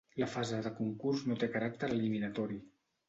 La fase de concurs no té caràcter eliminatori.